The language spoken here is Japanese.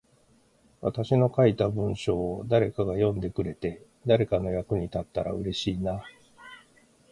私の書いた文章を誰かが読んでくれて、誰かの役に立ったら嬉しいな。